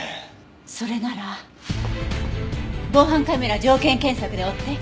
それなら防犯カメラ条件検索で追って。